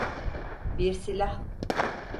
Bir silah.